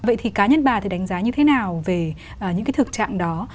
vậy thì cá nhân bà thì đánh giá như thế nào về những cái thực trạng đó